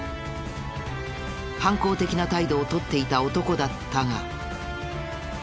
反抗的な態度を取っていた男だったが。